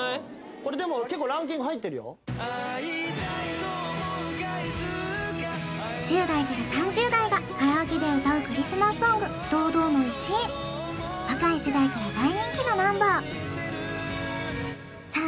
これでも１０代から３０代がカラオケで歌うクリスマスソング堂々の１位若い世代から大人気のナンバーさあ